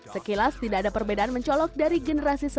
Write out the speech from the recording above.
sekilas tidak ada perbedaan mencolok dari generasi yang lain